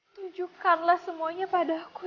tujukanlah semuanya pada aku